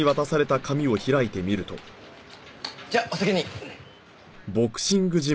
じゃあお先に！